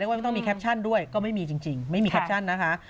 ว่าไม่ต้องมีแคปชั่นด้วยก็ไม่มีจริงไม่มีแคปชั่นนะคะ